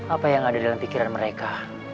apa yang ada dalam pikiran mereka